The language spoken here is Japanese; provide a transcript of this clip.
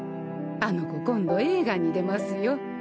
あの子今度映画に出ますよ。